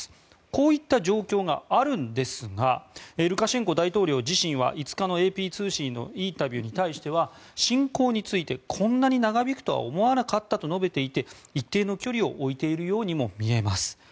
こういった状況があるんですがルカシェンコ大統領自身は５日のＡＰ通信のインタビューに対しては侵攻についてこんなに長引くとは思わなかったと述べていて一定の距離を置いているようにも見えます。